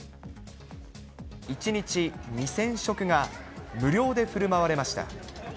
１日２０００食が無料でふるまわれました。